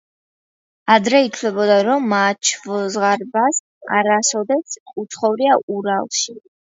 ადრე ითვლებოდა, რომ მაჩვზღარბას არასოდეს უცხოვრია ურალში.